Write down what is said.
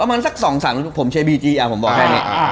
ประมาณสักสองสามผมใช้บีจีผมบอกแค่นี้